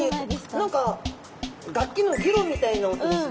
何か楽器のギロみたいな音ですね。